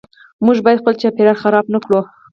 موږ باید خپل چاپیریال خراب نکړو .